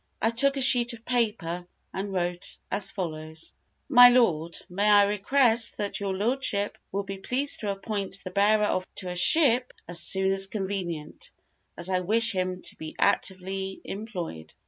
I took a sheet of paper and wrote as follows: "MY LORD, May I request that your lordship will be pleased to appoint the bearer of this to a ship, as soon as convenient, as I wish him to be actively employed.